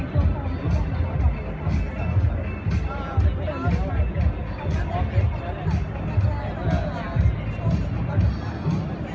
เพราะฉะนั้นถ้าแกโดยเจ้าเลยมันก็ควรทันแหละ